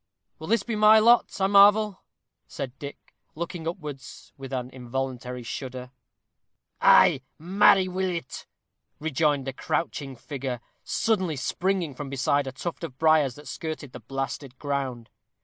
"Will this be my lot, I marvel?" said Dick, looking upwards, with an involuntary shudder. "Ay, marry will it," rejoined a crouching figure, suddenly springing from beside a tuft of briars that skirted the blasted ground.